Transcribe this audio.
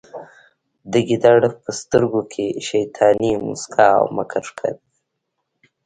د ګیدړ په سترګو کې شیطاني موسکا او مکر ښکاریده